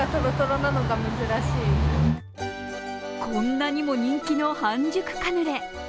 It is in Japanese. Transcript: こんなにも人気の半熟カヌレ。